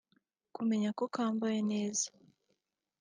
Kumenya ko kambawe neza